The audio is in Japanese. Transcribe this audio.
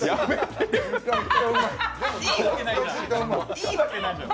いいわけないじゃん。